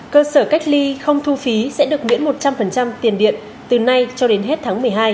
cơ sở cách ly không thu phí sẽ được miễn một trăm linh tiền điện từ nay cho đến hết tháng một mươi hai